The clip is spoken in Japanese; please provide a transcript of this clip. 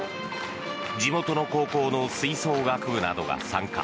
地元の高校の吹奏楽部などが参加。